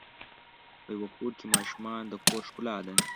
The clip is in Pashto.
په یوه کور کې ماشومان د کور ښکلا ده.